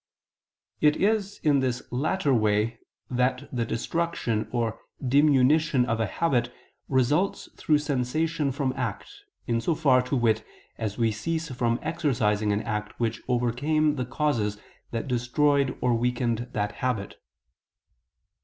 It is in this latter way that the destruction or diminution of a habit results through cessation from act, in so far, to wit, as we cease from exercising an act which overcame the causes that destroyed or weakened that habit.